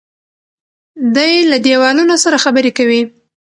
دی له دیوالونو سره خبرې کوي.